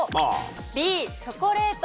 Ｂ、チョコレート。